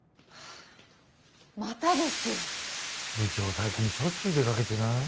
最近しょっちゅう出かけてない？